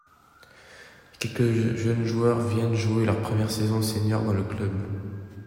Quelques jeunes joueurs viennent jouer leur première saison sénior dans le club.